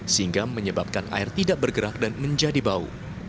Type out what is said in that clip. sehingga menyebabkan air tidak bergerak dan menjadi bau